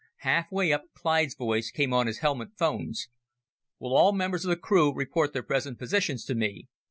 Halfway up, Clyde's voice came on his helmet phones. "Will all members of the crew report their present positions to me?